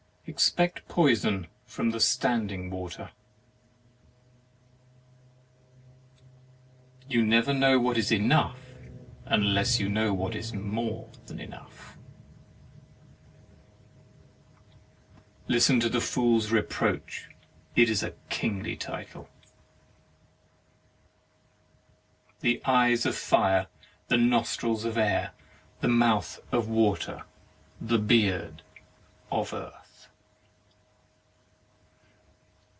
Expect poison from the standing water. You never know what is enough unless you know what is more than enough. Listen to the fool's reproach; it is a kingly title. The eyes of fire, the nostrils of air, 17 THE MARRIAGE OF the mouth of water, the beard of earth.